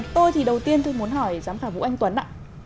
tôi thì đầu tiên tôi muốn hỏi giám khảo vũ anh tuấn ạ